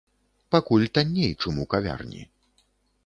Пакуль танней, чым у кавярні.